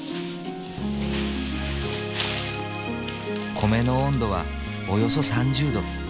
米の温度はおよそ３０℃。